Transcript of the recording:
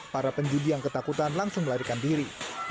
para penjudi yang ketakutan langsung melarikan diri